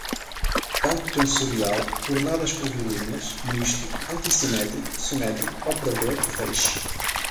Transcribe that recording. campo tensorial, coordenadas curvilíneas, misto, antissimétrico, simétrico, operador, feixe